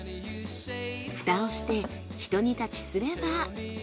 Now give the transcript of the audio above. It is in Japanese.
ふたをしてひと煮立ちすれば。